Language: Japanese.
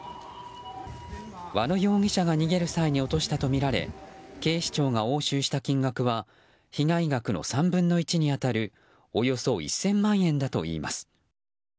和野容疑者が逃げる際に落としたとみられ警視庁が押収した金額は被害額の３分の１に当たるおよそ１０００万円だといいます。